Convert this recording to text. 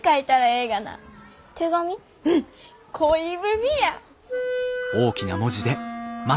うん恋文や！